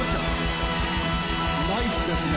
ナイスですね！